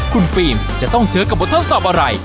คุณฟิล์มจะต้องเจอกับบททดสอบอะไร